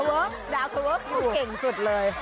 เธอเวิร์กเดาเธอเวิร์กเข็นเก่งสุดเลย